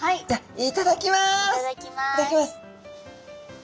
いただきます！